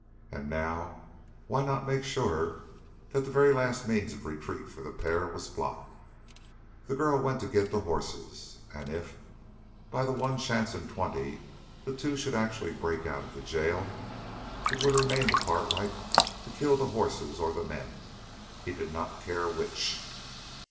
And now why not make sure that the very last means of retreat for the pair was blocked? The girl went to get the horses. And if, by the one chance in twenty, the two should actually break out of the jail, it would remain to Cartwright to kill the horses or the men. He did not care which.